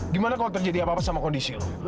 gimana kalau terjadi apa apa sama kondisi